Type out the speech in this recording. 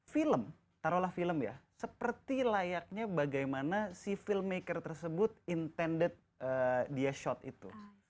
film taruhlah film ya seperti layaknya bagaimana si filmmaker tersebut intended dia shot itu